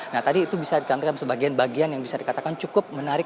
nah tadi itu bisa ditampilkan sebagian bagian yang bisa dikatakan cukup menarik